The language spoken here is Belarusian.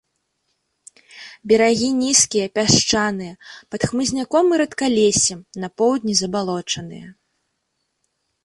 Берагі нізкія, пясчаныя, пад хмызняком і рэдкалессем, на поўдні забалочаныя.